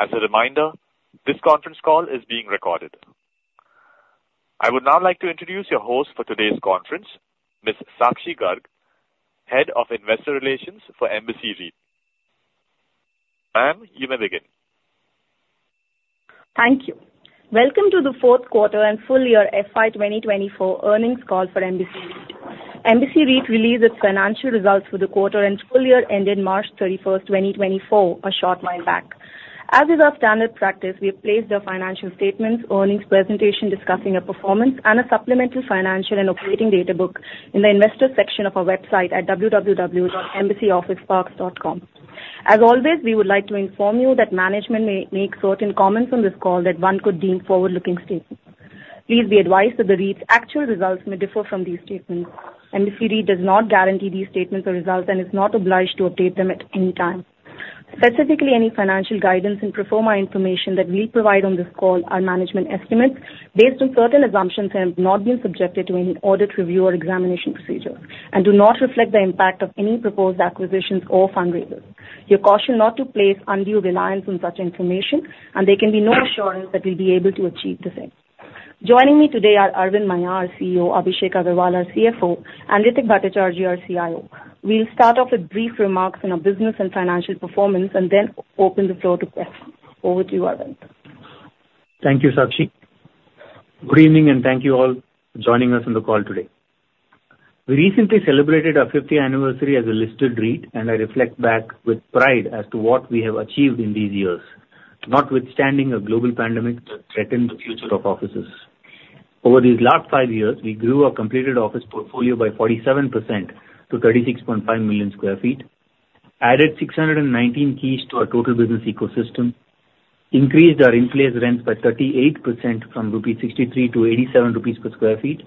As a reminder, this conference call is being recorded. I would now like to introduce your host for today's conference, Ms. Sakshi Garg, Head of Investor Relations for Embassy REIT. Ma'am, you may begin. Thank you. Welcome to the fourth quarter and full year FY2024 earnings call for Embassy REIT. Embassy REIT released its financial results for the quarter and full year ended March 31, 2024, a short while back. As is our standard practice, we have placed our financial statements, earnings presentation discussing our performance, and a supplemental financial and operating data book in the investor section of our Website at www.embassyofficeparks.com. As always, we would like to inform you that management may make certain comments on this call that one could deem forward-looking statements. Please be advised that the REIT's actual results may differ from these statements. Embassy REIT does not guarantee these statements or results and is not obliged to update them at any time. Specifically, any financial guidance and Pro forma information that we provide on this call are management estimates based on certain assumptions and have not been subjected to any audit, review, or examination procedures, and do not reflect the impact of any proposed acquisitions or fundraisers. You're cautioned not to place undue reliance on such information, and there can be no assurance that we'll be able to achieve the same. Joining me today are Aravind Maiya, our CEO; Abhishek Agrawal, our CFO; and Ritwik Bhattacharjee, our CIO. We'll start off with brief remarks on our business and financial performance and then open the floor to questions. Over to you, Aravind. Thank you, Sakshi. Good evening, and thank you all for joining us on the call today. We recently celebrated our 50th anniversary as a listed REIT, and I reflect back with pride as to what we have achieved in these years, notwithstanding a global pandemic that threatened the future of offices. Over these last five years, we grew our completed office portfolio by 47% to 36.5 million sq ft, added 619 keys to our total business ecosystem, increased our in-place rents by 38% from rupees 63 to 87 rupees per sq ft,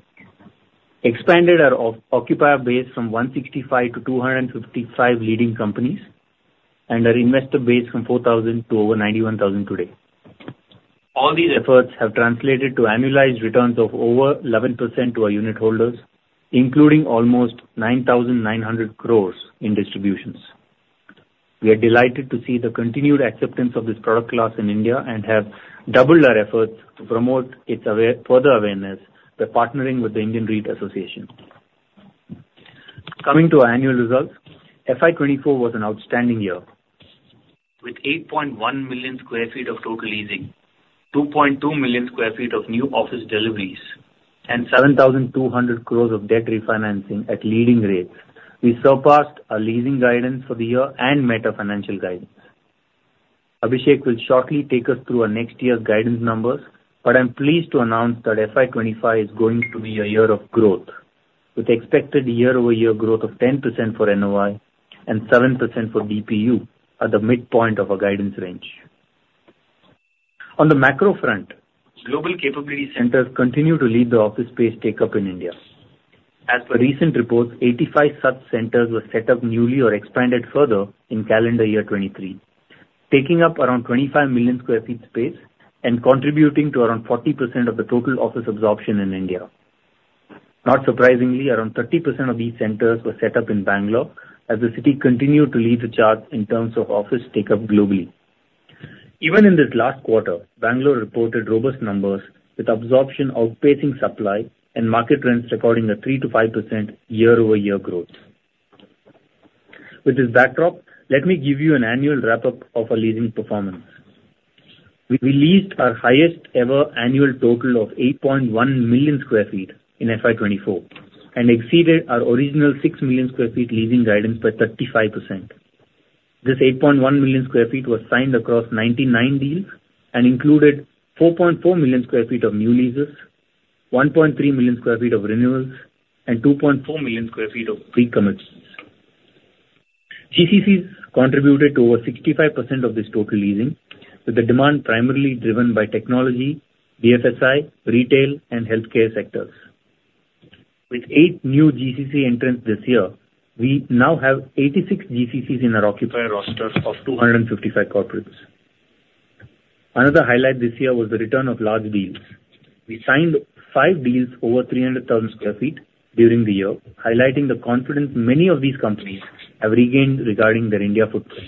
expanded our occupier base from 165 to 255 leading companies, and our investor base from 4,000 to over 91,000 today. All these efforts have translated to annualized returns of over 11% to our Unitholders, including almost 9,900 crore in distributions. We are delighted to see the continued acceptance of this product class in India and have doubled our efforts to promote its further awareness by partnering with the Indian REITs Association. Coming to our annual results, FY24 was an outstanding year. With 8.1 million sq ft of total leasing, 2.2 million sq ft of new office deliveries, and 7,200 crore of debt refinancing at leading rates, we surpassed our leasing guidance for the year and met our financial guidance. Abhishek will shortly take us through our next year's guidance numbers, but I'm pleased to announce that FY25 is going to be a year of growth, with expected year-over-year growth of 10% for NOI and 7% for DPU at the midpoint of our guidance range. On the macro front, global capability centers continue to lead the office space takeup in India. As per recent reports, 85 such centers were set up newly or expanded further in Calendar Year 2023, taking up around 25 million sq ft space and contributing to around 40% of the total office absorption in India. Not surprisingly, around 30% of these centers were set up in Bangalore as the city continued to lead the chart in terms of office takeup globally. Even in this last quarter, Bangalore reported robust numbers, with absorption outpacing supply and market trends recording a 3%-5% year-over-year growth. With this backdrop, let me give you an annual wrap-up of our leasing performance. We leased our highest-ever annual total of 8.1 million sq ft in FY24 and exceeded our original 6 million sq ft leasing guidance by 35%. This 8.1 million sq ft was signed across 99 deals and included 4.4 million sq ft of new leases, 1.3 million sq ft of renewals, and 2.4 million sq ft of pre-commitments. GCCs contributed to over 65% of this total leasing, with the demand primarily driven by technology, BFSI, retail, and healthcare sectors. With eight new GCC entrants this year, we now have 86 GCCs in our occupier roster of 255 corporates. Another highlight this year was the return of large deals. We signed five deals over 300,000 sq ft during the year, highlighting the confidence many of these companies have regained regarding their India footprint.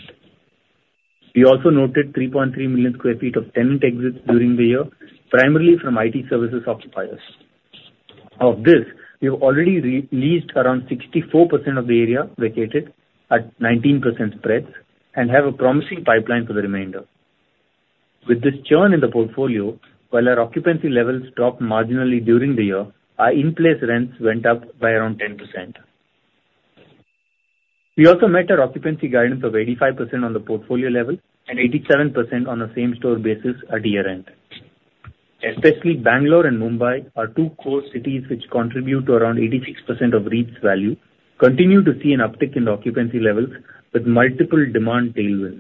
We also noted 3.3 million sq ft of tenant exits during the year, primarily from IT services occupiers. Of this, we have already leased around 64% of the area vacated at 19% spreads and have a promising pipeline for the remainder. With this churn in the portfolio, while our occupancy levels dropped marginally during the year, our in-place rents went up by around 10%. We also met our occupancy guidance of 85% on the portfolio level and 87% on a same-store basis at year-end. Especially Bangalore and Mumbai, our two core cities which contribute to around 86% of REIT's value, continue to see an uptick in occupancy levels with multiple demand tailwinds.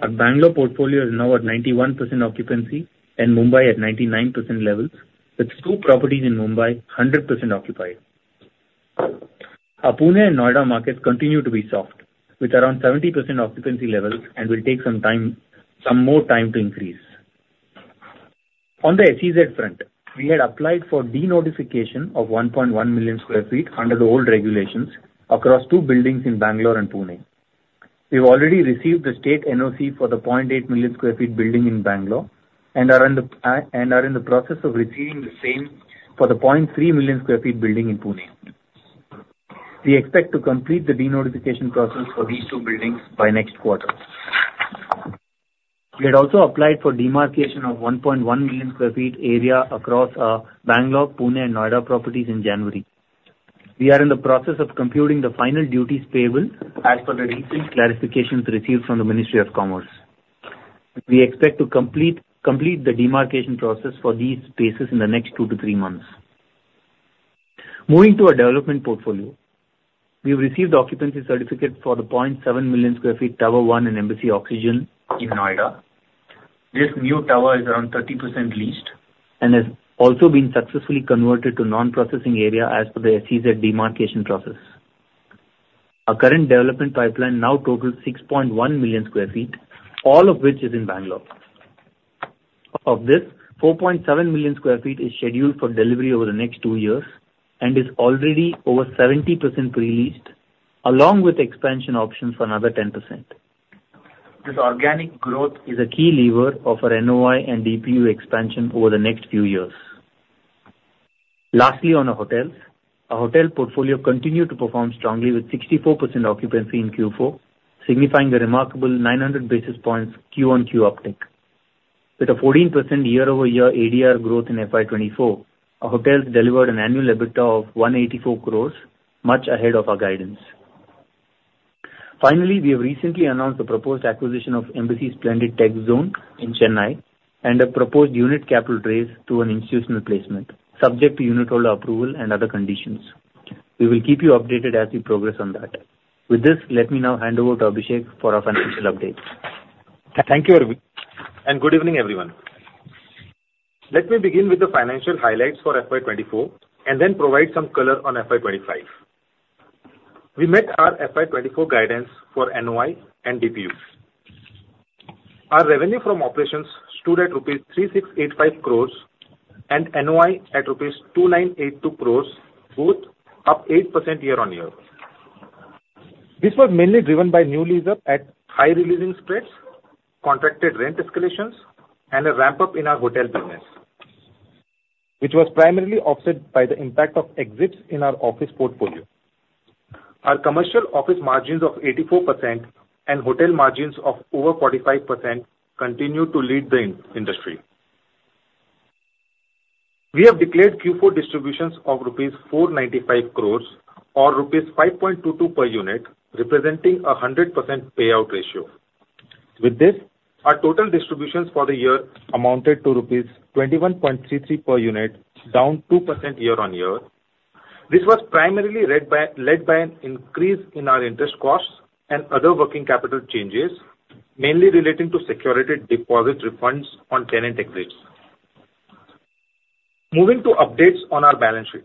Our Bangalore portfolio is now at 91% occupancy and Mumbai at 99% levels, with two properties in Mumbai 100% occupied. Our Pune and Noida markets continue to be soft, with around 70% occupancy levels and will take some more time to increase. On the SEZ front, we had applied for denotification of 1.1 million sq ft under the old regulations across two buildings in Bangalore and Pune. We've already received the State NOC for the 0.8 million sq ft building in Bangalore and are in the process of receiving the same for the 0.3 million sq ft building in Pune. We expect to complete the denotification process for these two buildings by next quarter. We had also applied for demarcation of 1.1 million sq ft area across our Bangalore, Pune, and Noida properties in January. We are in the process of computing the final duties payable as per the recent clarifications received from the Ministry of Commerce. We expect to complete the demarcation process for these spaces in the next two to three months. Moving to our development portfolio, we've received Occupancy Certificate for the 0.7 million sq ft Tower One in Embassy Oxygen in Noida. This new tower is around 30% leased and has also been successfully converted to Non-Processing Area as per the SEZ demarcation process. Our current development pipeline now totals 6.1 million sq ft, all of which is in Bangalore. Of this, 4.7 million sq ft is scheduled for delivery over the next two years and is already over 70% pre-leased, along with expansion options for another 10%. This organic growth is a key lever of our NOI and DPU expansion over the next few years. Lastly, on our hotels, our hotel portfolio continued to perform strongly with 64% occupancy in Q4, signifying a remarkable 900 Basis Points quarter-on-quarter uptick. With a 14% year-over-year ADR growth in FY 2024, our hotels delivered an annual EBITDA of 184 crore, much ahead of our guidance. Finally, we have recently announced the proposed acquisition of Embassy Splendid TechZone in Chennai and a proposed unit capital raise to an institutional placement, subject to unit holder approval and other conditions. We will keep you updated as we progress on that. With this, let me now hand over to Abhishek for our financial updates. Thank you, Aravind, and good evening, everyone. Let me begin with the financial highlights for FY24 and then provide some color on FY25. We met our FY24 guidance for NOI and DPUs. Our revenue from operations stood at rupees 3,685 crores and NOI at rupees 2,982 crores, both up 8% year-over-year. This was mainly driven by new leases at high leasing spreads, contracted rent escalations, and a ramp-up in our hotel business, which was primarily offset by the impact of exits in our office portfolio. Our commercial office margins of 84% and hotel margins of over 45% continue to lead the industry. We have declared Q4 distributions of rupees 495 crores or rupees 5.22 per unit, representing a 100% payout ratio. With this, our total distributions for the year amounted to rupees 21.33 per unit, down 2% year-over-year. This was primarily led by an increase in our interest costs and other working capital changes, mainly relating to security deposit refunds on tenant exits. Moving to updates on our balance sheet,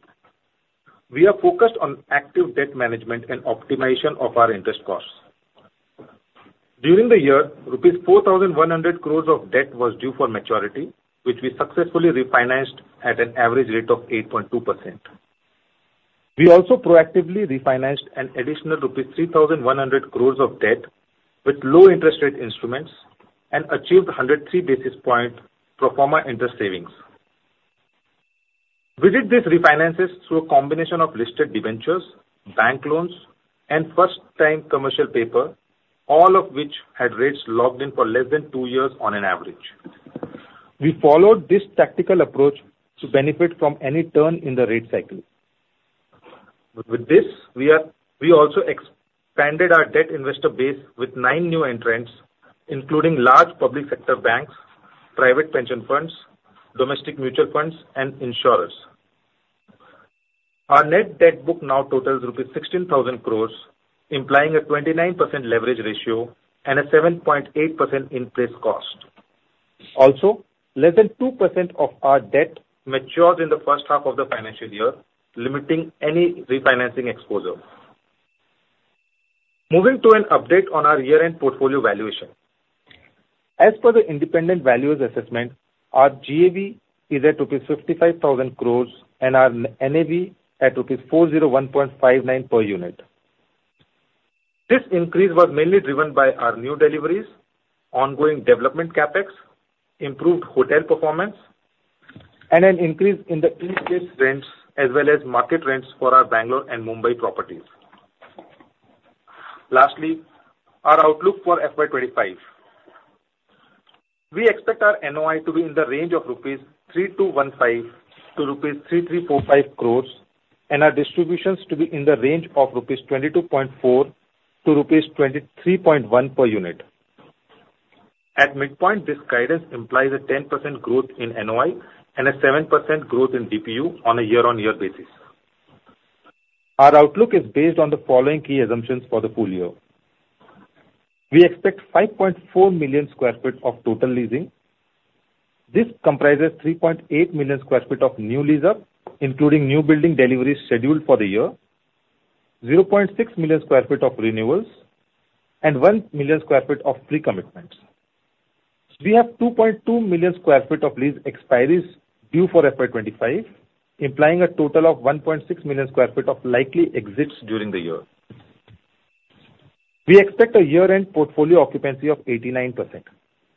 we are focused on active debt management and optimization of our interest costs. During the year, rupees 4,100 crores of debt was due for maturity, which we successfully refinanced at an average rate of 8.2%. We also proactively refinanced an additional rupees 3,100 crores of debt with low-interest rate instruments and achieved 103 basis point pro forma interest savings. We did these refinances through a combination of listed debentures, bank loans, and first-time Commercial Paper, all of which had rates locked in for less than two years on an average. We followed this tactical approach to benefit from any turn in the rate cycle. With this, we also expanded our debt investor base with 9 new entrants, including large public sector banks, private pension funds, domestic mutual funds, and insurers. Our net debt book now totals rupees 16,000 crores, implying a 29% leverage ratio and a 7.8% in-place cost. Also, less than 2% of our debt matured in the first half of the financial year, limiting any refinancing exposure. Moving to an update on our year-end portfolio valuation. As per the independent values assessment, our GAV is at rupees 55,000 crores and our NAV at rupees 401.59 per unit. This increase was mainly driven by our new deliveries, ongoing development Capex, improved hotel performance, and an increase in the in-place rents as well as market rents for our Bangalore and Mumbai properties. Lastly, our outlook for FY25. We expect our NOI to be in the range of rupees 3,215 to INR. 3,345 crore and our distributions to be in the range of 22.4-23.1 rupees per unit. At midpoint, this guidance implies a 10% growth in NOI and a 7% growth in DPU on a year-on-year basis. Our outlook is based on the following key assumptions for the full year. We expect 5.4 million sq ft of total leasing. This comprises 3.8 million sq ft of new leases, including new building deliveries scheduled for the year, 0.6 million sq ft of renewals, and 1 million sq ft of pre-commitments. We have 2.2 million sq ft of lease expiries due for FY 2025, implying a total of 1.6 million sq ft of likely exits during the year. We expect a year-end portfolio occupancy of 89%.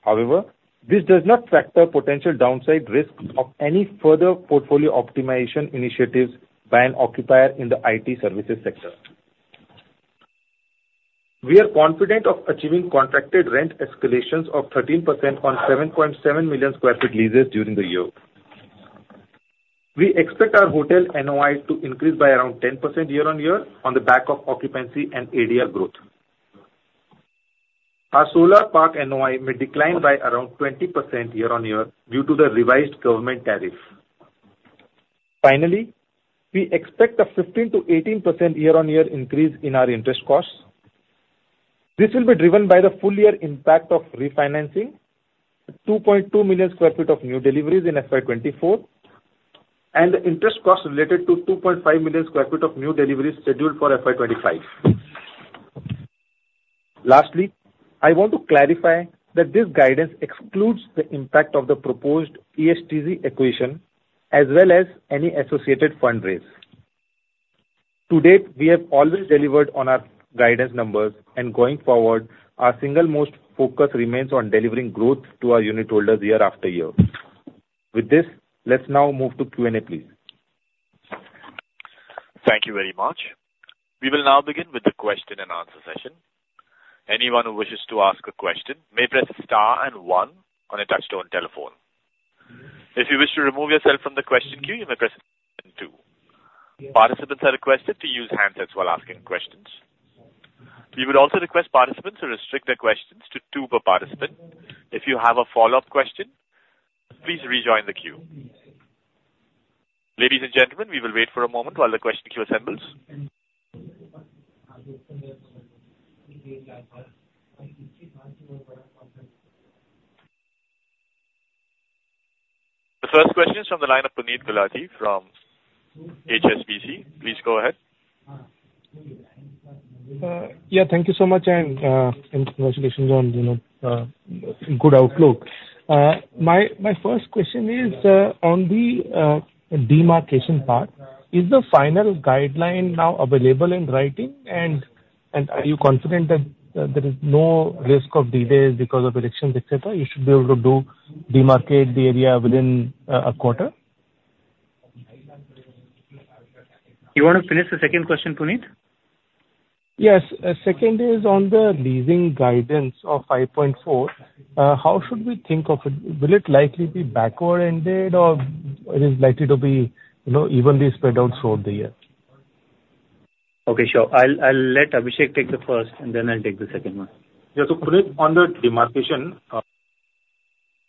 However, this does not factor potential downside risks of any further portfolio optimization initiatives by an occupier in the IT services sector. We are confident of achieving contracted rent escalations of 13% on 7.7 million sq ft leases during the year. We expect our Hotel NOI to increase by around 10% year-on-year on the back of occupancy and ADR growth. Our solar park NOI may decline by around 20% year-on-year due to the revised government tariff. Finally, we expect a 15%-18% year-on-year increase in our interest costs. This will be driven by the full year impact of refinancing, 2.2 million sq ft of new deliveries in FY 2024, and the interest costs related to 2.5 million sq ft of new deliveries scheduled for FY 2025. Lastly, I want to clarify that this guidance excludes the impact of the proposed ESTZ acquisition as well as any associated fundraise. To date, we have always delivered on our guidance numbers, and going forward, our single most focus remains on delivering growth to our unit holders year after year. With this, let's now move to Q&A, please. Thank you very much. We will now begin with the question and answer session. Anyone who wishes to ask a question may press star and one on a touch-tone telephone. If you wish to remove yourself from the question queue, you may press two. Participants are requested to use handsets while asking questions. We would also request participants to restrict their questions to two per participant. If you have a follow-up question, please rejoin the queue. Ladies and gentlemen, we will wait for a moment while the question queue assembles. The first question is from the line of Puneet Gulati from HSBC. Please go ahead. Yeah, thank you so much and congratulations on good outlook. My first question is on the demarcation part. Is the final guideline now available in writing, and are you confident that there is no risk of delays because of elections, etc.? You should be able to demarcate the area within a quarter. You want to finish the second question, Puneet? Yes. Second is on the leasing guidance of 5.4. How should we think of it? Will it likely be backward-ended, or is it likely to be evenly spread out throughout the year? Okay, sure. I'll let Abhishek take the first, and then I'll take the second one. Yeah, so Puneet, on the demarcation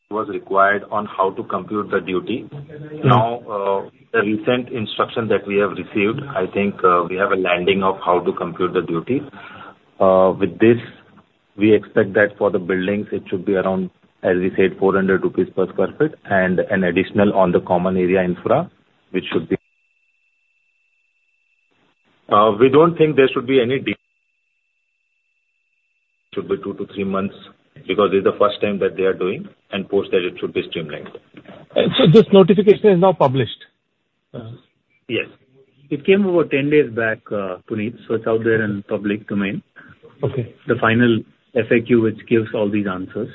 that was required on how to compute the duty, now the recent instruction that we have received, I think we have a landing of how to compute the duty. With this, we expect that for the buildings, it should be around, as we said, 400 rupees per sq ft and an additional on the common area infra, which should be. We don't think there should be any 2-3 months because it's the first time that they are doing and post that it should be streamlined. This notification is now published? Yes. It came over 10 days back, Puneet, so it's out there in public domain, the final FAQ which gives all these answers.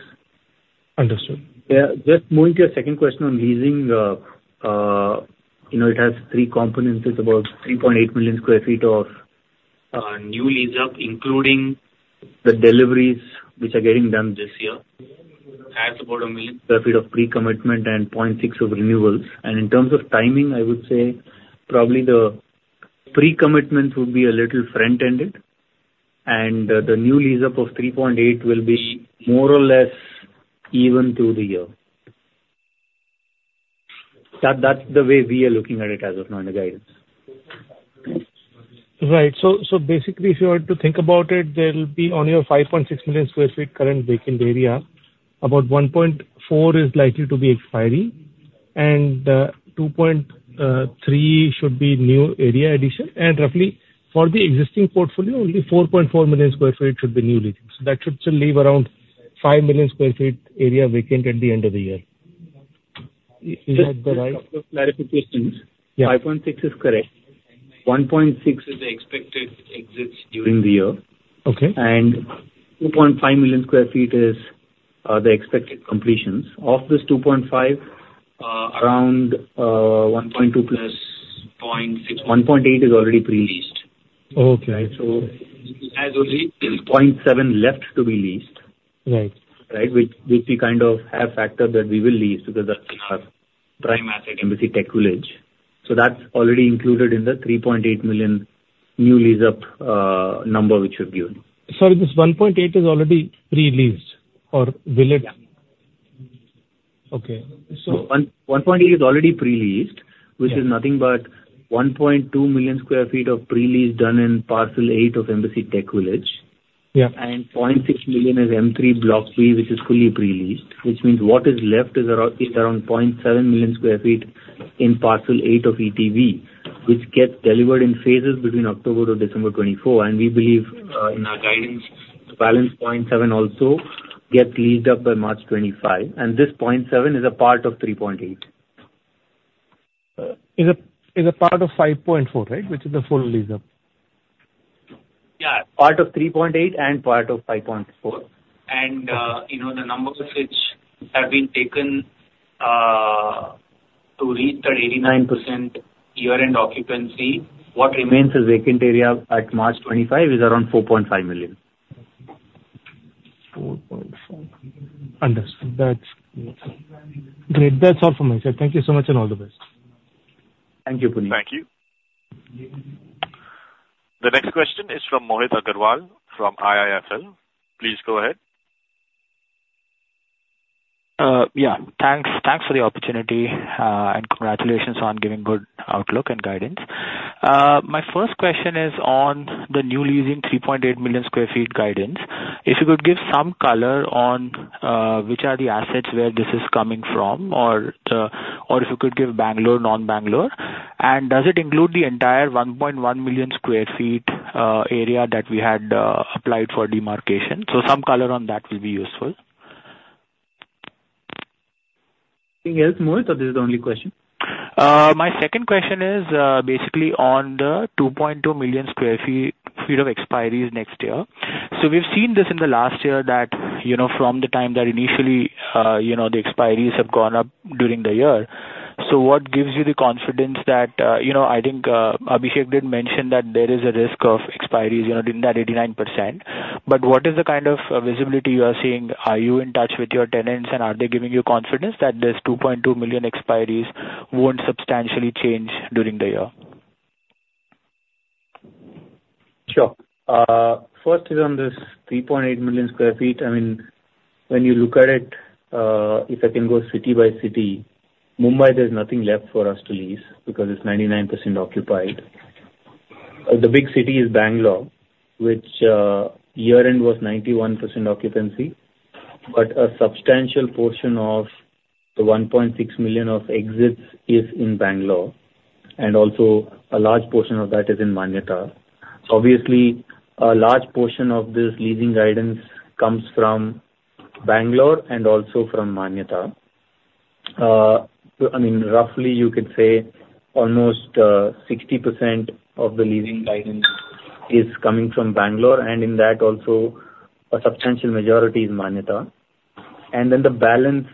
Understood. Yeah, just moving to your second question on leasing. It has three components. It's about 3.8 million sq ft of new lease, including the deliveries which are getting done this year, has about 1 million sq ft of pre-commitment and 0.6 of renewals. In terms of timing, I would say probably the pre-commitment would be a little front-ended, and the new lease up of 3.8 will be more or less even through the year. That's the way we are looking at it as of now in the guidance. Right. So basically, if you were to think about it, there'll be on your 5.6 million sq ft current vacant area, about 1.4 is likely to be expiry, and 2.3 should be new area addition. And roughly, for the existing portfolio, only 4.4 million sq ft should be new leasing. So that should still leave around 5 million sq ft area vacant at the end of the year. Is that right? Just a couple of clarifications. 5.6 is correct. 1.6 is the expected exits during the year, and 2.5 million sq ft is the expected completions. Of this 2.5, around 1.2 + 0.6, 1.8 is already pre-leased. So it has only 0.7 left to be leased, right, which we kind of have factored that we will lease because that's in our prime asset, Embassy TechVillage. So that's already included in the 3.8 million new lease up number which we've given. Sorry, this 1.8 is already pre-leased, or will it? Yeah. Okay. 1.8 is already pre-leased, which is nothing but 1.2 million sq ft of pre-lease done in Parcel 8 of Embassy TechVillage. 0.6 million is M3 Block B, which is fully pre-leased, which means what is left is around 0.7 million sq ft in Parcel 8 of ETV, which gets delivered in phases between October-December 2024. We believe in our guidance, the balance 0.7 also gets leased up by March 2025. This 0.7 is a part of 3.8. Is a part of 5.4, right, which is the full lease up? Yeah, part of 3.8 and part of 5.4. The numbers which have been taken to reach that 89% year-end occupancy, what remains as vacant area at March 2025 is around 4.5 million. 4.5. Understood. Great. That's all from me, sir. Thank you so much, and all the best. Thank you, Puneet. Thank you. The next question is from Mohit Agrawal from IIFL. Please go ahead. Yeah, thanks for the opportunity, and congratulations on giving good outlook and guidance. My first question is on the new leasing 3.8 million sq ft guidance. If you could give some color on which are the assets where this is coming from, or if you could give Bangalore, non-Bangalore, and does it include the entire 1.1 million sq ft area that we had applied for demarcation? So some color on that will be useful. Anything else, Mohit, or this is the only question? My second question is basically on the 2.2 million sq ft of expiries next year. So we've seen this in the last year that from the time that initially the expiries have gone up during the year, so what gives you the confidence that I think Abhishek did mention that there is a risk of expiries in that 89%. But what is the kind of visibility you are seeing? Are you in touch with your tenants, and are they giving you confidence that this 2.2 million sq ft expiries won't substantially change during the year? Sure. First is on this 3.8 million sq ft. I mean, when you look at it, if I can go city by city, Mumbai, there's nothing left for us to lease because it's 99% occupied. The big city is Bangalore, which year-end was 91% occupancy, but a substantial portion of the 1.6 million of exits is in Bangalore, and also a large portion of that is in Manyata. Obviously, a large portion of this leasing guidance comes from Bangalore and also from Manyata. I mean, roughly, you could say almost 60% of the leasing guidance is coming from Bangalore, and in that also, a substantial majority is Manyata. And then the balance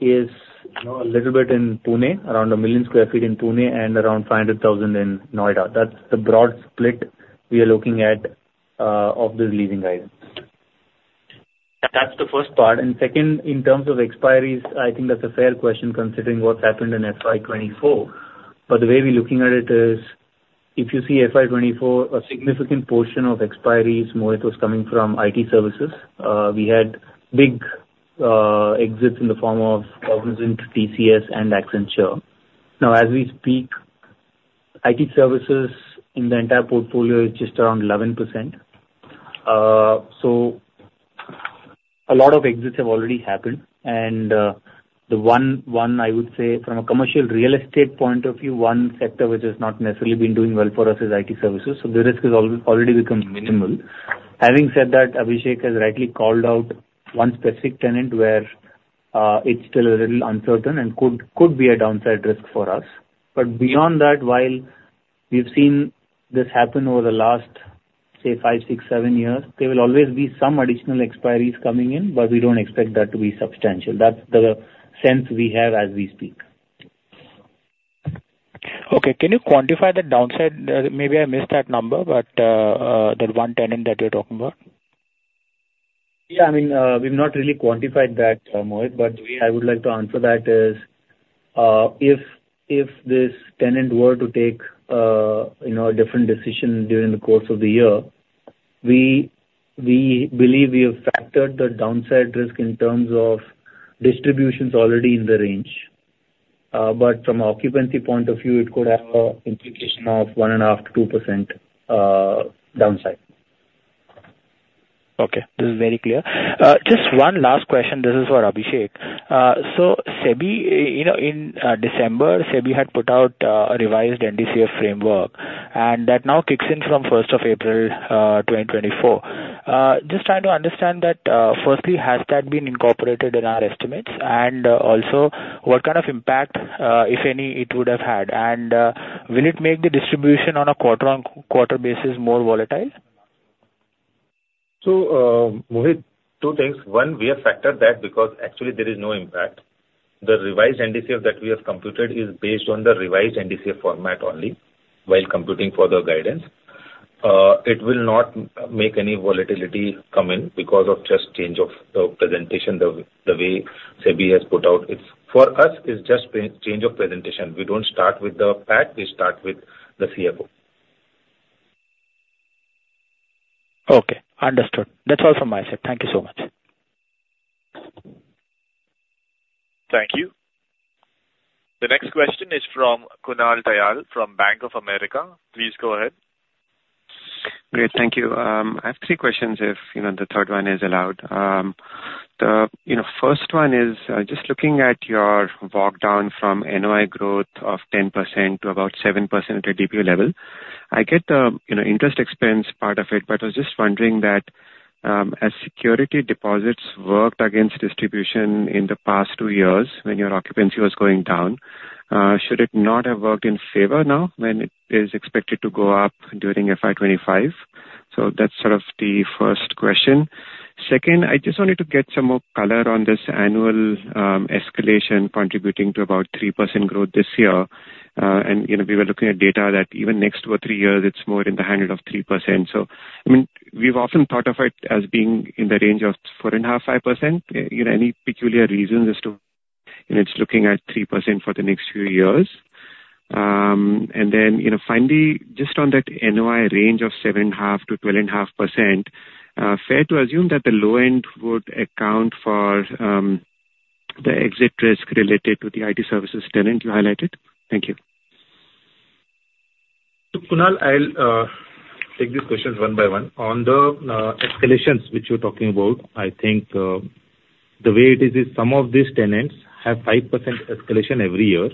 is a little bit in Pune, around 1 million sq ft in Pune and around 500,000 in Noida. That's the broad split we are looking at of this leasing guidance. That's the first part. Second, in terms of expiries, I think that's a fair question considering what's happened in FY24. But the way we're looking at it is if you see FY24, a significant portion of expiries, Mohit, was coming from IT services. We had big exits in the form of Cognizant, TCS, and Accenture. Now, as we speak, IT services in the entire portfolio is just around 11%. A lot of exits have already happened. The one, I would say, from a commercial real estate point of view, one sector which has not necessarily been doing well for us is IT services. The risk has already become minimal. Having said that, Abhishek has rightly called out one specific tenant where it's still a little uncertain and could be a downside risk for us. But beyond that, while we've seen this happen over the last, say, 5, 6, 7 years, there will always be some additional expiries coming in, but we don't expect that to be substantial. That's the sense we have as we speak. Okay. Can you quantify the downside? Maybe I missed that number, but that one tenant that you're talking about. Yeah, I mean, we've not really quantified that, Mohit, but the way I would like to answer that is if this tenant were to take a different decision during the course of the year, we believe we have factored the downside risk in terms of distributions already in the range. But from an occupancy point of view, it could have an implication of 1.5%-2% downside. Okay. This is very clear. Just one last question. This is for Abhishek. So in December, SEBI had put out a revised NDCF framework, and that now kicks in from 1st of April 2024. Just trying to understand that, firstly, has that been incorporated in our estimates? And also, what kind of impact, if any, it would have had? And will it make the distribution on a quarter-on-quarter basis more volatile? So, Mohit, two things. One, we have factored that because actually, there is no impact. The revised NDCF that we have computed is based on the revised NDCF format only while computing for the guidance. It will not make any volatility come in because of just change of the presentation, the way SEBI has put out its. For us, it's just change of presentation. We don't start with the PAT. We start with the CFO. Okay. Understood. That's all from my side. Thank you so much. Thank you. The next question is from Kunal Tayal from Bank of America. Please go ahead. Great. Thank you. I have three questions if the third one is allowed. The first one is just looking at your walk-down from NOI growth of 10% to about 7% at a DPO level. I get the interest expense part of it, but I was just wondering that as security deposits worked against distribution in the past two years when your occupancy was going down, should it not have worked in favor now when it is expected to go up during FY25? So that's sort of the first question. Second, I just wanted to get some more color on this annual escalation contributing to about 3% growth this year. And we were looking at data that even next to a three-year, it's more in the handle of 3%. So, I mean, we've often thought of it as being in the range of 4.5%-5%. Any peculiar reasons as to its looking at 3% for the next few years? And then finally, just on that NOI range of 7.5%-12.5%, fair to assume that the low end would account for the exit risk related to the IT services tenant you highlighted? Thank you. So, Kunal, I'll take these questions one by one. On the escalations which you're talking about, I think the way it is is some of these tenants have 5% escalation every year,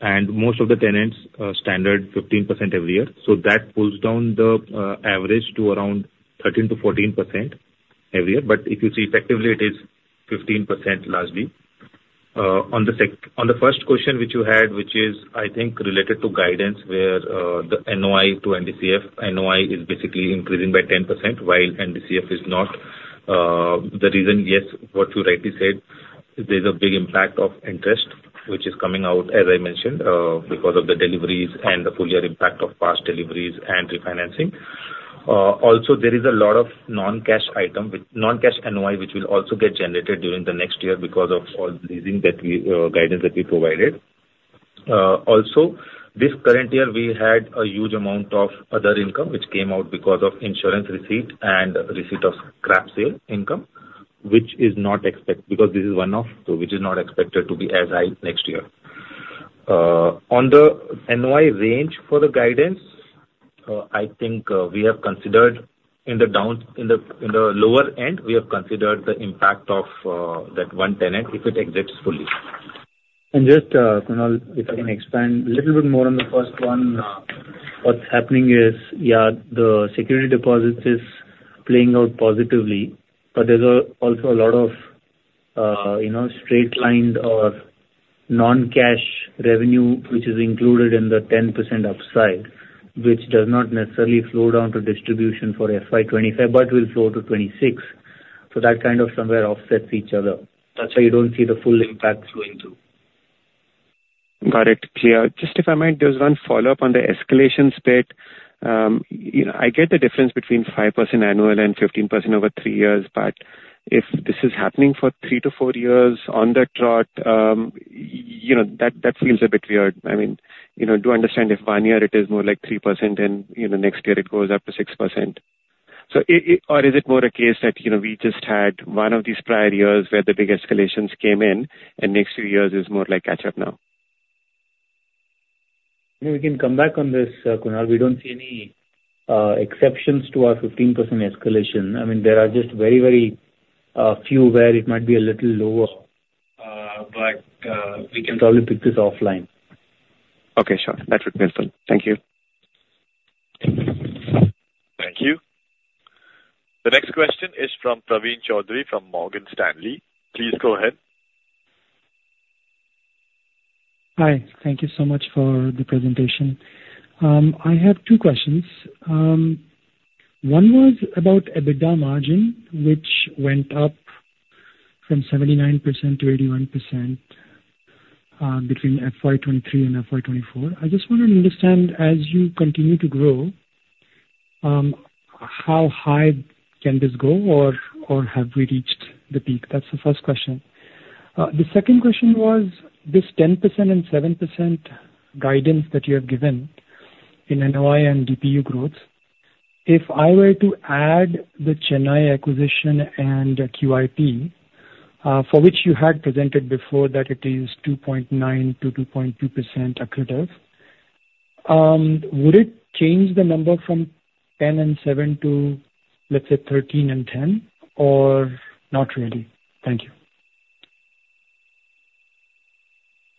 and most of the tenants standard 15% every year. So that pulls down the average to around 13%-14% every year. But if you see effectively, it is 15% largely. On the first question which you had, which is, I think, related to guidance where the NOI to NDCF, NOI is basically increasing by 10% while NDCF is not, the reason, yes, what you rightly said, there's a big impact of interest which is coming out, as I mentioned, because of the deliveries and the full-year impact of past deliveries and refinancing. Also, there is a lot of non-cash item, non-cash NOI, which will also get generated during the next year because of all the leasing guidance that we provided. Also, this current year, we had a huge amount of other income which came out because of insurance receipt and receipt of scrap sale income, which is not expected to be as high next year. On the NOI range for the guidance, I think we have considered in the lower end, we have considered the impact of that one tenant if it exits fully. Just, Kunal, if I can expand a little bit more on the first one, what's happening is, yeah, the security deposit is playing out positively, but there's also a lot of straight-line or non-cash revenue which is included in the 10% upside, which does not necessarily flow down to distribution for FY25 but will flow to 2026. So that kind of somewhere offsets each other. So you don't see the full impact flowing through. Got it. Clear. Just if I might, there's one follow-up on the escalations bit. I get the difference between 5% annual and 15% over three years, but if this is happening for 3-4 years on the trot, that feels a bit weird. I mean, do understand if one year it is more like 3%, then next year it goes up to 6%. Or is it more a case that we just had one of these prior years where the big escalations came in, and next few years is more like catch-up now? I mean, we can come back on this, Kunal. We don't see any exceptions to our 15% escalation. I mean, there are just very, very few where it might be a little lower, but we can probably pick this offline. Okay. Sure. That would be helpful. Thank you. Thank you. The next question is from Praveen Chaudhary from Morgan Stanley. Please go ahead. Hi. Thank you so much for the presentation. I have two questions. One was about EBITDA margin, which went up from 79% to 81% between FY23 and FY24. I just wanted to understand, as you continue to grow, how high can this go, or have we reached the peak? That's the first question. The second question was, this 10% and 7% guidance that you have given in NOI and DPU growth, if I were to add the Chennai acquisition and QIP, for which you had presented before that it is 2.9%-2.2% accretive, would it change the number from 10% and 7% to, let's say, 13% and 10%, or not really? Thank you.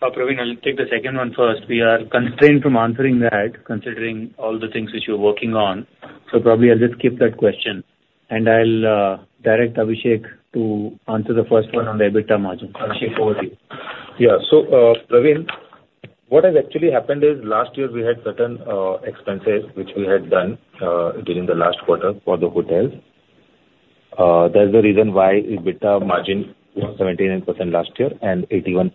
Praveen, I'll take the second one first. We are constrained from answering that considering all the things which you're working on. So probably I'll just skip that question, and I'll direct Abhishek to answer the first one on the EBITDA margin. Abhishek, over to you. Yeah. So, Praveen, what has actually happened is last year, we had certain expenses which we had done during the last quarter for the hotels. That's the reason why EBITDA margin was 79% last year and 81%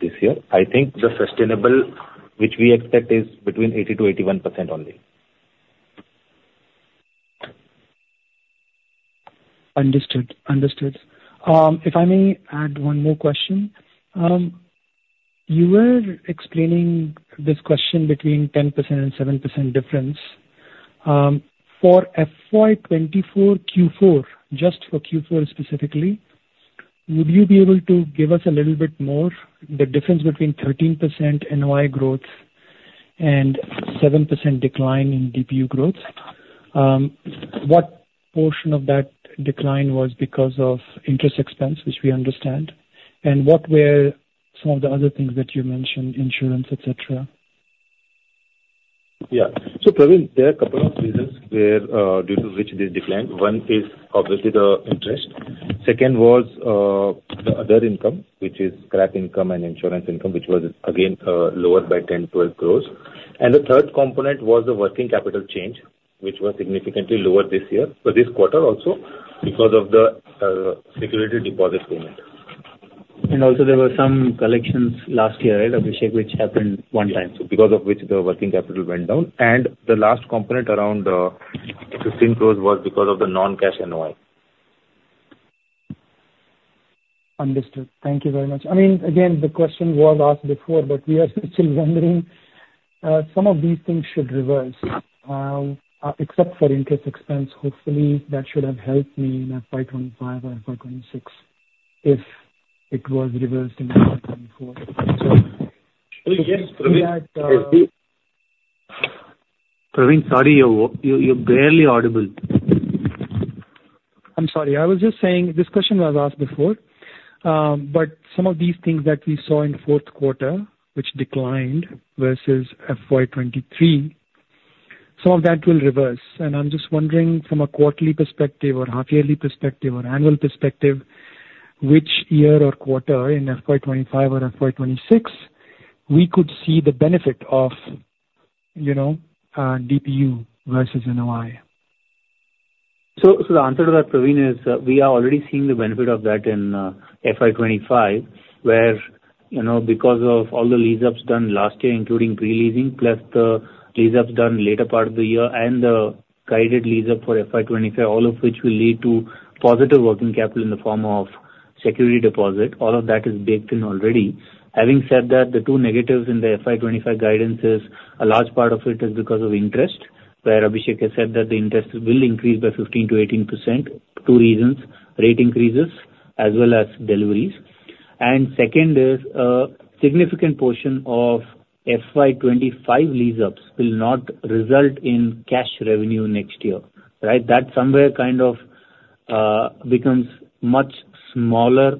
this year. I think the sustainable which we expect is between 80%-81% only. Understood. Understood. If I may add one more question, you were explaining this question between 10% and 7% difference. For FY24 Q4, just for Q4 specifically, would you be able to give us a little bit more the difference between 13% NOI growth and 7% decline in DPU growth? What portion of that decline was because of interest expense, which we understand? And what were some of the other things that you mentioned, insurance, etc.? Yeah. Praveen, there are a couple of reasons due to which this declined. One is obviously the interest. Second was the other income, which is scrap income and insurance income, which was, again, lower by 10-12 crores. The third component was the working capital change, which was significantly lower this year for this quarter also because of the security deposit payment. Also, there were some collections last year, right, Abhishek, which happened one time. Because of which the working capital went down. The last component around 15 crore was because of the non-cash NOI. Understood. Thank you very much. I mean, again, the question was asked before, but we are still wondering, some of these things should reverse. Except for interest expense, hopefully, that should have helped me in FY25 or FY26 if it was reversed in FY24. So. Praveen, sorry. You're barely audible. I'm sorry. I was just saying this question was asked before, but some of these things that we saw in fourth quarter, which declined versus FY23, some of that will reverse. And I'm just wondering, from a quarterly perspective or half-yearly perspective or annual perspective, which year or quarter in FY25 or FY26 we could see the benefit of DPU versus NOI? So the answer to that, Praveen, is we are already seeing the benefit of that in FY25 where because of all the lease-ups done last year, including pre-leasing plus the lease-ups done later part of the year and the guided lease-up for FY25, all of which will lead to positive working capital in the form of security deposit, all of that is baked in already. Having said that, the two negatives in the FY25 guidance is a large part of it is because of interest where Abhishek has said that the interest will increase by 15%-18%, two reasons, rate increases as well as deliveries. And second is a significant portion of FY25 lease-ups will not result in cash revenue next year, right? That somewhere kind of becomes much smaller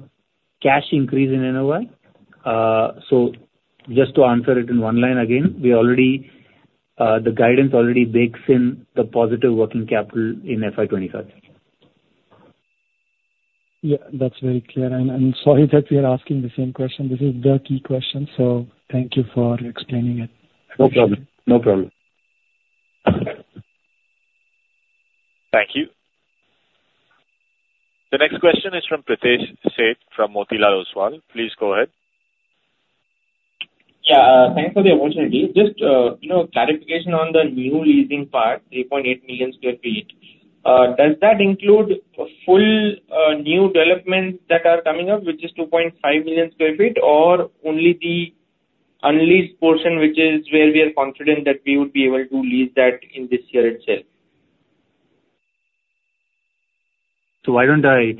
cash increase in NOI. Just to answer it in one line, again, the guidance already bakes in the positive working capital in FY25. Yeah. That's very clear. Sorry that we are asking the same question. This is the key question. Thank you for explaining it, Abhishek. No problem. No problem. Thank you. The next question is from Pritesh Sheth from Motilal Oswal. Please go ahead. Yeah. Thanks for the opportunity. Just clarification on the new leasing part, 3.8 million sq ft. Does that include full new developments that are coming up, which is 2.5 million sq ft, or only the unleased portion, which is where we are confident that we would be able to lease that in this year itself? So why don't I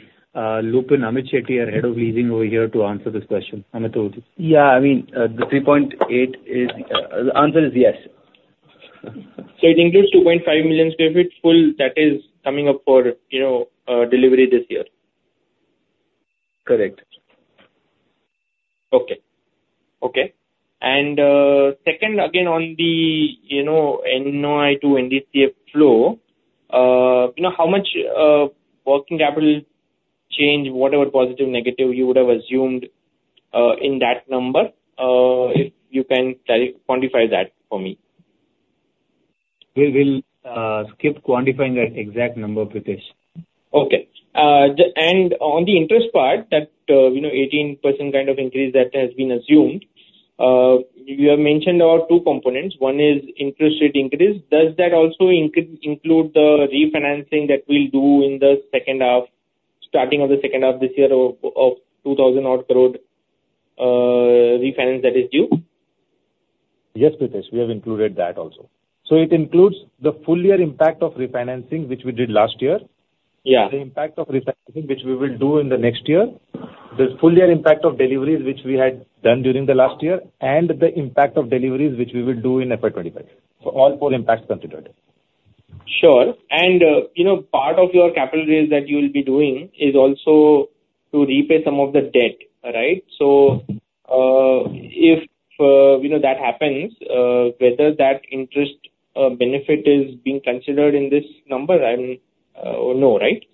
loop in Amit Shetty, our Head of Leasing over here, to answer this question, Amit? Yeah. I mean, the 3.8 is the answer is yes. It includes 2.5 million sq ft full that is coming up for delivery this year? Correct. Okay. Okay. And second, again, on the NOI to NDCF flow, how much working capital change, whatever positive, negative, you would have assumed in that number if you can quantify that for me? We'll skip quantifying that exact number, Pritesh. Okay. On the interest part, that 18% kind of increase that has been assumed, you have mentioned about two components. One is interest rate increase. Does that also include the refinancing that we'll do in the second half, starting of the second half this year of 2,000-odd crore refinance that is due? Yes, Pritesh. We have included that also. So it includes the full-year impact of refinancing, which we did last year, the impact of refinancing, which we will do in the next year, the full-year impact of deliveries, which we had done during the last year, and the impact of deliveries, which we will do in FY25, so all four impacts considered. Sure. And part of your capital raise that you will be doing is also to repay some of the debt, right? So if that happens, whether that interest benefit is being considered in this number or no, right?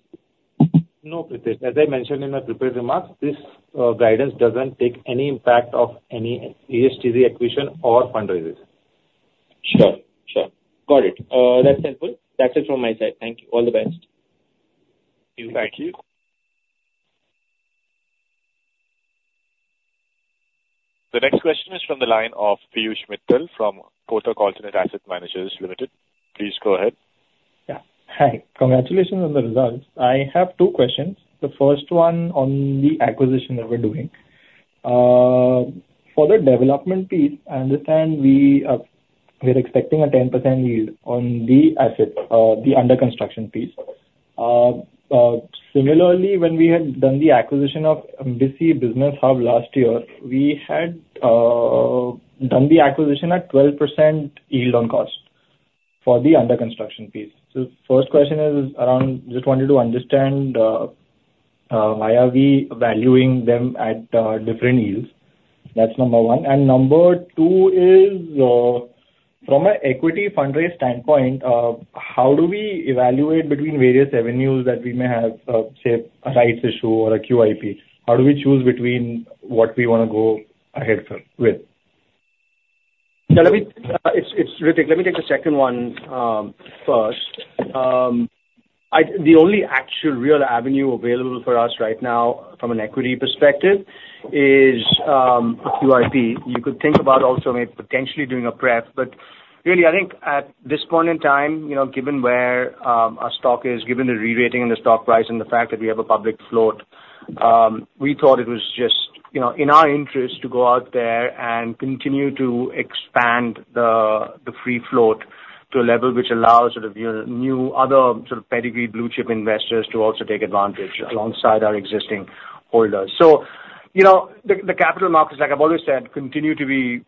No, Pritesh. As I mentioned in my prepared remarks, this guidance doesn't take any impact of any SEZ acquisition or fundraises. Sure. Sure. Got it. That's helpful. That's it from my side. Thank you. All the best. Thank you. The next question is from the line of Piyush Mittal from Kotak Alternate Asset Managers Limited. Please go ahead. Hi. Congratulations on the results. I have two questions. The first one on the acquisition that we're doing. For the development piece, I understand we are expecting a 10% yield on the asset, the under-construction piece. Similarly, when we had done the acquisition of Embassy Business Hub last year, we had done the acquisition at 12% yield on cost for the under-construction piece. So first question is around just wanted to understand why are we valuing them at different yields. That's number one. And number two is, from an equity fundraise standpoint, how do we evaluate between various avenues that we may have, say, a rights issue or a QIP? How do we choose between what we want to go ahead with? Yeah. Let me take the second one first. The only actual real avenue available for us right now from an equity perspective is a QIP. You could think about also maybe potentially doing a pref. But really, I think at this point in time, given where our stock is, given the rerating and the stock price and the fact that we have a public float, we thought it was just in our interest to go out there and continue to expand the free float to a level which allows sort of new other sort of pedigree blue-chip investors to also take advantage alongside our existing holders. So the capital markets, like I've always said, continue to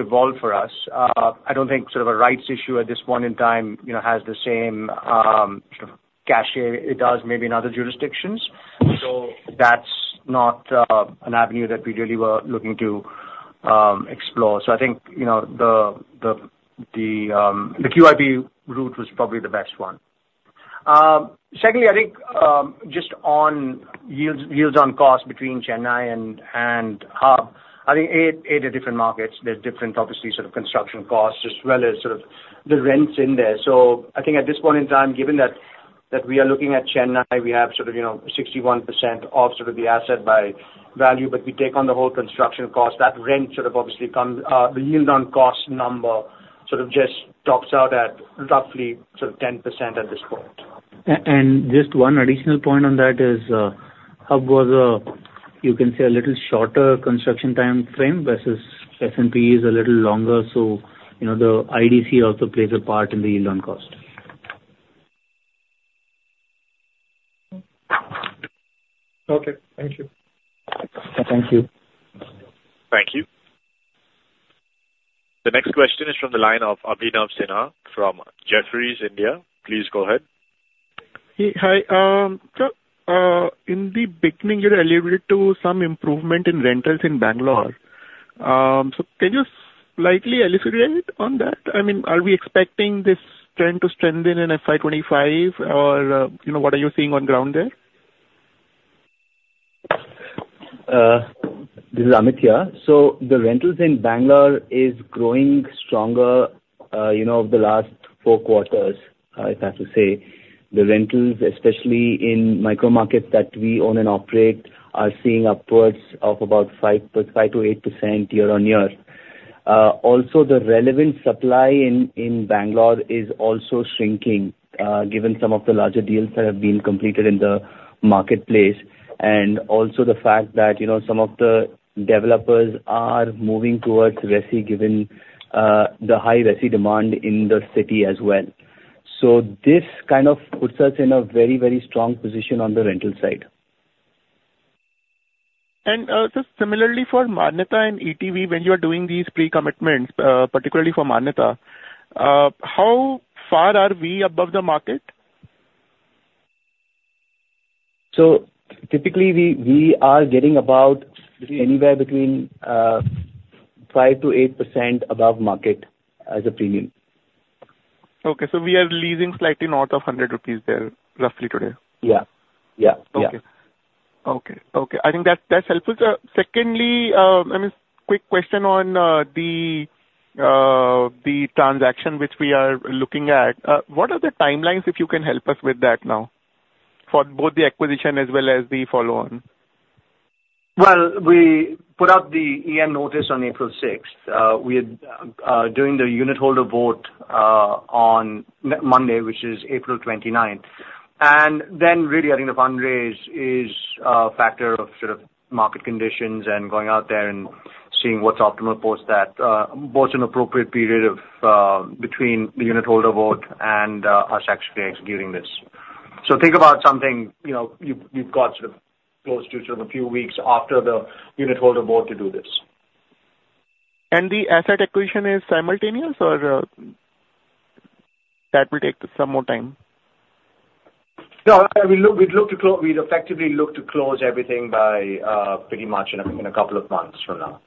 evolve for us. I don't think sort of a rights issue at this point in time has the same sort of cachet it does maybe in other jurisdictions. So that's not an avenue that we really were looking to explore. So I think the QIP route was probably the best one. Secondly, I think just on yields on cost between Chennai and hub, I think they are different markets. There's different, obviously, sort of construction costs as well as sort of the rents in there. So I think at this point in time, given that we are looking at Chennai, we have sort of 61% of sort of the asset by value, but we take on the whole construction cost, that rent sort of obviously comes the yield on cost number sort of just tops out at roughly sort of 10% at this point. Just one additional point on that is Hub was, you can say, a little shorter construction time frame versus SEZ is a little longer. So the IDC also plays a part in the yield on cost. Okay. Thank you. Thank you. Thank you. The next question is from the line of Abhinav Sinha from Jefferies, India. Please go ahead. Hi. In the beginning, you had alluded to some improvement in rentals in Bangalore. Can you slightly elucidate on that? I mean, are we expecting this trend to strengthen in FY25, or what are you seeing on ground there? This is Amit Shetty. So the rentals in Bangalore are growing stronger over the last four quarters, if I have to say. The rentals, especially in micro-markets that we own and operate, are seeing upwards of about 5%-8% year-on-year. Also, the relevant supply in Bangalore is also shrinking given some of the larger deals that have been completed in the marketplace and also the fact that some of the developers are moving towards resi given the high RESI demand in the city as well. So this kind of puts us in a very, very strong position on the rental side. Just similarly for Manyata and ETV, when you are doing these pre-commitments, particularly for Manyata, how far are we above the market? Typically, we are getting about anywhere between 5%-8% above market as a premium. Okay. So we are leasing slightly north of 100 rupees there roughly today? Yeah. Yeah. Yeah. Okay. Okay. Okay. I think that's helpful. Secondly, I mean, quick question on the transaction which we are looking at. What are the timelines, if you can help us with that now, for both the acquisition as well as the follow-on? Well, we put out the EGM notice on April 6th. We are doing the unitholder vote on Monday, which is April 29th. And then really, I think the fundraise is a factor of sort of market conditions and going out there and seeing what's optimal post that, both an appropriate period between the unitholder vote and us actually executing this. So think about something you've got sort of close to sort of a few weeks after the unitholder vote to do this. The asset acquisition is simultaneous, or that will take some more time? No. We'd effectively look to close everything by pretty much in a couple of months from now.